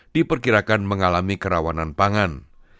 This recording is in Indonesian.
diperkirakan mengalami kerawanan pangan